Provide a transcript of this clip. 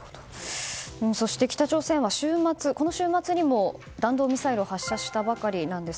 そして北朝鮮はこの週末にも弾道ミサイルを発射したばかりなんです。